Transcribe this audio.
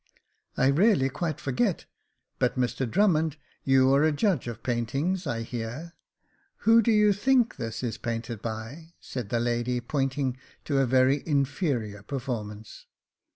" I really quite forget ; but Mr Drummond, you are a judge of paintings, I hear. Who do you think this is painted by ?" said the lady, pointing to a very inferior performance.